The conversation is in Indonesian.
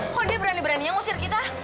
kok dia berani beraninya ngusir kita